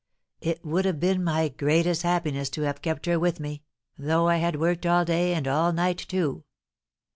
It would have been my greatest happiness to have kept her with me, though I had worked all day and all night too.